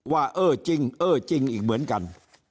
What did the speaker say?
ว่าเออจริงเออจริงอีกเหมือนกัน